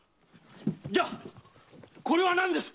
じゃあこれは何です？